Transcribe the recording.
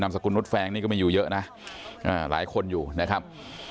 สกุลนุษยแฟงนี่ก็ไม่อยู่เยอะนะหลายคนอยู่นะครับ